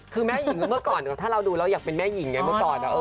คือแม่หญิงเมื่อก่อนถ้าเราดูแล้วอยากเป็นแม่หญิงไงเมื่อก่อน